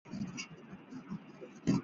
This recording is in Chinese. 毕业于哈萨克斯坦工学院。